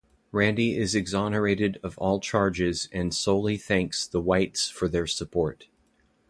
Randy is exonerated of all charges and solely thanks the Whites for their support.